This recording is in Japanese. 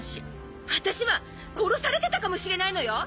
あたしは殺されてたかもしれないのよ！